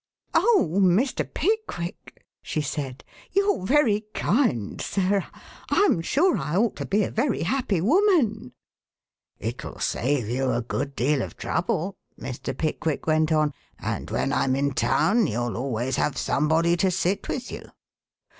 "Oh, Mr. Pickwick!" she said, "you're very kind, sir. I'm sure I ought to be a very happy woman." "It'll save you a deal of trouble," Mr. Pickwick went on, "and when I'm in town you'll always have somebody to sit with you."